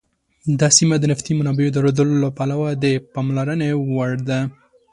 دا سیمه د نفتي منابعو درلودلو له پلوه د پاملرنې وړ ده.